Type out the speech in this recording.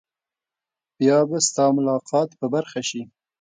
بیا به ستا ملاقات په برخه شي.